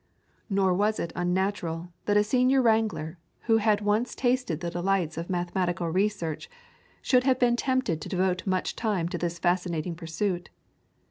Nor was it unnatural that a Senior Wrangler, who had once tasted the delights of mathematical research, should have been tempted to devote much time to this fascinating pursuit.